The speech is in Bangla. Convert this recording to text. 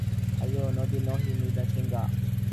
তাহার কানে বাজিতেছিল- বায়ু বহীঁ পুরবৈঞা, নীদ নহিঁ বিন সৈঞা।